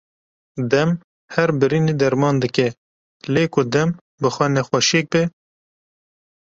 Dem her birînê derman dike lê ku dem bi xwe nexweşiyek be?